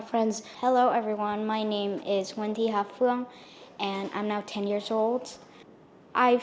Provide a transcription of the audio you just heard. xin chào tất cả mọi người tên tôi là wendy hà phương và tôi đã một mươi tuổi rồi